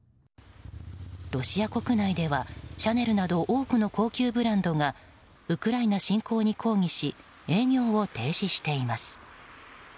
ロシア国内では、シャネルなど多くの高級ブランドがウクライナ侵攻に抗議し営業を停止しています。